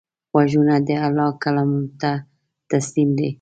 غوږونه د الله کلام ته تسلیم دي